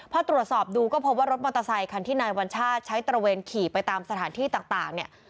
พอตรวจสอบดูก็พบว่ารถมอเตอร์ไซคันที่นายวัญชาติใช้ตระเวนขี่ไปตามสถานที่ต่างเนี่ย